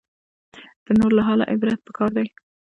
د نورو له حاله عبرت پکار دی